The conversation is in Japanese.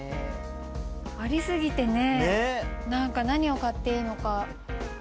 あり過ぎてね何か何を買っていいのか。